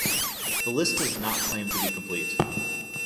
The list does not claim to be complete.